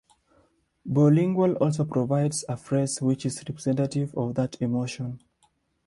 BowLingual also provides a phrase which is representative of that emotion.